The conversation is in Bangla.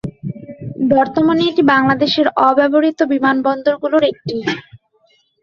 বর্তমানে এটি বাংলাদেশের অব্যবহৃত বিমানবন্দরগুলির একটি।